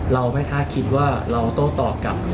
เราไม่คาดคิดว่าเราโต้ตอบกับ